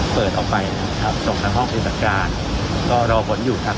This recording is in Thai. เปิดออกไปนะครับส่งทางห้องปฏิบัติการก็รอผลอยู่ครับ